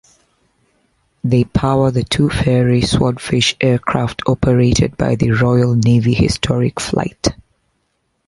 They power the two Fairey Swordfish aircraft operated by the Royal Navy Historic Flight.